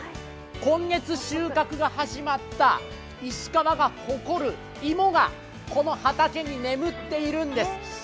今月収穫が始まった石川が誇る芋がこの畑に眠っているんです。